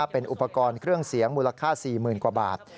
เป็นอุปกรณ์เครื่องเสียงมูลค่า๔๐๐๐กว่าบาท